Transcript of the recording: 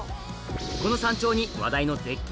この山頂に話題の絶景